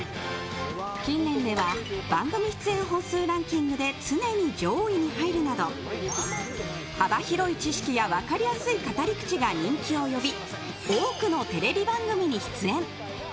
近年では番組出演本数ランキングで常に上位に入るなど幅広い知識や分かりやすい語り口が人気を呼び多くのテレビ番組に出演。